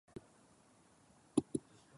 原來保謢市民是有選擇性的